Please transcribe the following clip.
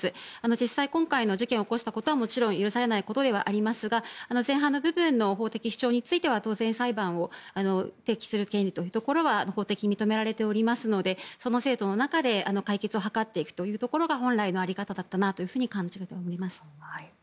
実際に今回の事件を起こしたことはもちろん許されないことではありますが前半の部分の法的主張については当然、裁判を提起する権利は法的に認められていますのでその制度の中で解決を図っていくということが本来の在り方だったなと感じます。